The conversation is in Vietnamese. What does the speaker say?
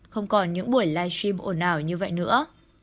không còn những buổi livestream ổn ảo như vậy nữa